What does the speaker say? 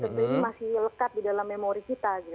itu masih lekat di dalam memori kita gitu